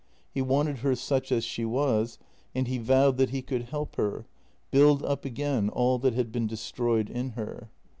He wanted her such as she was, and he vowed that he could help her — build up again all that had been destroyed in her.